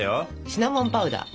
シナモンパウダー。